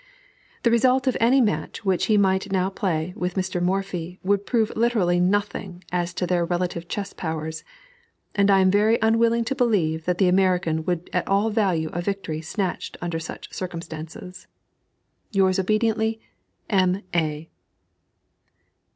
The result of any match which he might now play with Mr. Morphy would prove literally nothing as to their relative chess powers, and I am very unwilling to believe that the American would at all value a victory snatched under such circumstances. Yours obediently, M. A.